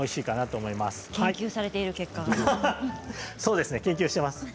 そうです、研究しています。